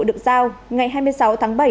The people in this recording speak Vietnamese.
được giao ngày hai mươi sáu tháng bảy